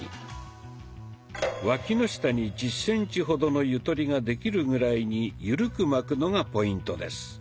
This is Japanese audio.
わきの下に１０センチほどのゆとりができるぐらいにゆるく巻くのがポイントです。